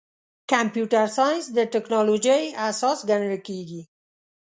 کمپیوټر ساینس د ټکنالوژۍ اساس ګڼل کېږي.